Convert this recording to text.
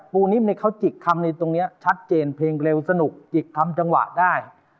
นิ่มเขาจิกคำในตรงนี้ชัดเจนเพลงเร็วสนุกจิกคำจังหวะได้